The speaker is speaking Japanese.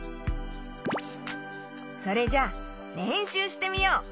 それじゃれんしゅうしてみよう。